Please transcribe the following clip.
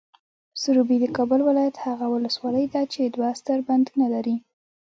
سروبي، د کابل ولایت هغه ولسوالۍ ده چې دوه ستر بندونه لري.